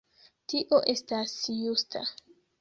Tio estas justa.